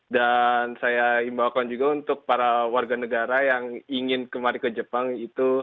dan saya himbaukan juga untuk para warga negara yang ingin kemari ke jepang itu